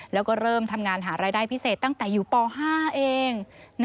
แล้วก็เริ่มทำงานหารายได้พิเศษตั้งแต่อยู่ป๕เอง